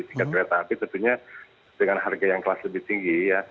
tiket kereta api tentunya dengan harga yang kelas lebih tinggi ya